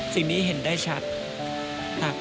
สิ่งนี้เห็นได้ชัดครับขอบคุณตัวอย่างครับ